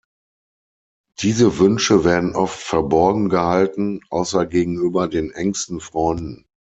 Diese Wünsche werden oft verborgen gehalten, außer gegenüber den engsten Freunden.